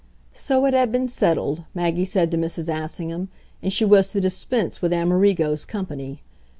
So it had been settled, Maggie said to Mrs. Assingham, and she was to dispense with Amerigo's company.